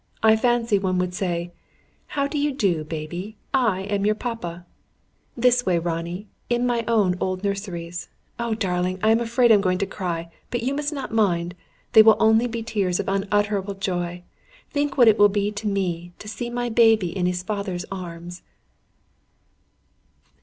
I fancy one would say: 'How do you do, baby? I am your papa!' ... This way, Ronnie, in my own old nurseries. Oh, darling, I am afraid I am going to cry! But you must not mind. They will only be tears of unutterable joy. Think what it will be to me, to see my baby in his father's arms!"